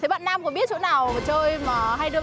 em cầm em cầm giấy cho chuyên nghiệp